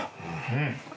うん。